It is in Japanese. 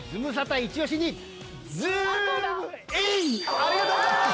ありがとうございます！